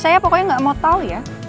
saya pokoknya gak mau tau ya